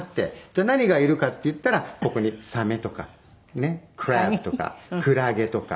じゃあ何がいるかっていったらここにサメとかねクラブとかクラゲとか。